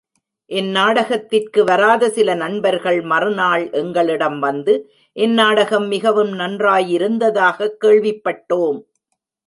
இந்நாடகத்திற்கு வாராத சில நண்பர்கள் மறுநாள் எங்களிடம் வந்து, இந்நாடகம் மிகவும் நன்றாகயிருந்ததாகக் கேள்விப்பட்டோம்.